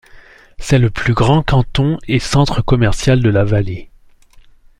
C'est le plus grand canton et centre commercial de la vallée.